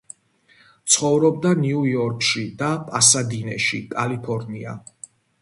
ცხოვრობდა ნიუ-იორკში და პასადინეში, კალიფორნია.